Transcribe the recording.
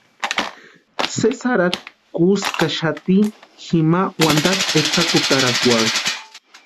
Sesi jarhati kuskaxati jima wantakwa etsakutarakwarhu.